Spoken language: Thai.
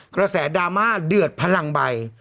กระแสดราม่าเดือดพลังใบ